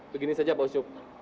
begini saja pak ucup